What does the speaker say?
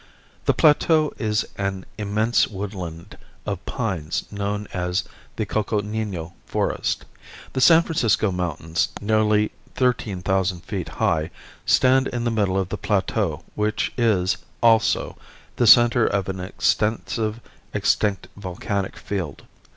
The plateau is an immense woodland of pines known as the Coconino Forest. The San Francisco mountains, nearly thirteen thousand feet high, stand in the middle of the plateau which is, also, the center of an extensive extinct volcanic field.